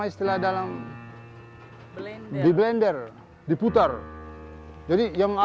semua di sana